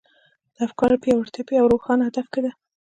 د افکارو پياوړتيا په يوه روښانه هدف کې ده.